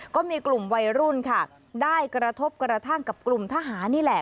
ก็มีกลุ่มวัยรุ่นค่ะได้กระทบกระทั่งกับกลุ่มทหารนี่แหละ